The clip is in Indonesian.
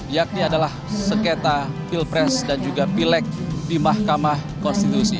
yakni adalah sengketa pilpres dan juga pilek di mahkamah konstitusi